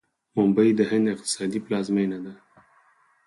ممبۍ د هند اقتصادي پلازمینه ده.